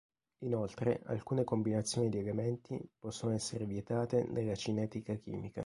Inoltre, alcune combinazioni di elementi possono essere vietate dalla cinetica chimica.